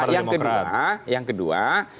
yang kedua yang kedua